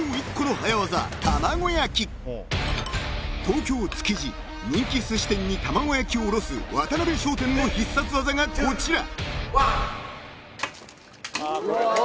［東京築地人気すし店に卵焼きを卸す渡辺商店の必殺技がこちら！］